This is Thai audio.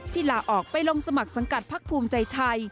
ที่หล่าออกไปลงสมัครสังกัดภักดิ์ภูมิใจไทย